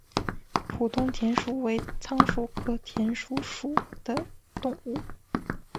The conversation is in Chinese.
普通田鼠为仓鼠科田鼠属的动物。